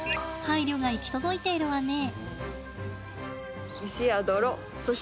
配慮が行き届いているわね。